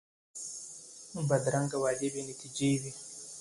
بدرنګه وعدې بې نتیجې وي